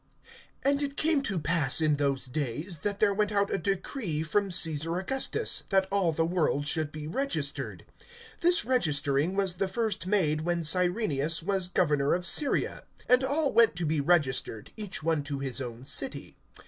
AND it came to pass in those days, that there went out a decree from Caesar Augustus, that all the world should be registered. (2)This registering was the first made when Cyrenius was governor of Syria. (3)And all went to be registered, each one to his own city.